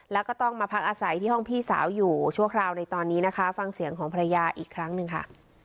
แล้วก็ต้องมาพักอาศัยที่ห้องพี่สาวอยู่ชั่วคราวในตอนนี้นะคะฟังเสียงของภรรยาอีกครั้งหนึ่งค่ะ